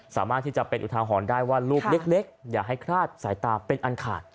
สามารถที่จะเป็นอุทาหรณ์ได้ว่าลูกเล็กอย่าให้คลาดสายตาเป็นอันขาด